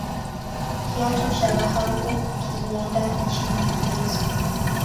kiatu cha dhahabu kilienda nchini uingereza